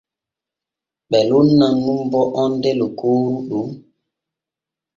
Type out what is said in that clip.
Ɓe lonnan nun bo onde lokooru ɗon.